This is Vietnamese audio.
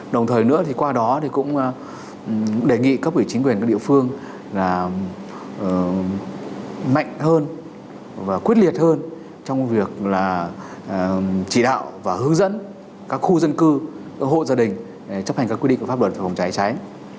đồng thời nữa thì qua đó thì cũng đề nghị cấp ủy chính quyền các địa phương là mạnh hơn và quyết liệt hơn trong việc là chỉ đạo và hướng dẫn các khu dân cư các hộ gia đình chấp hành các quy định của pháp luật phòng trái trái